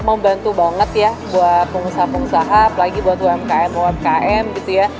membantu banget ya buat pengusaha pengusaha apalagi buat umkm umkm gitu ya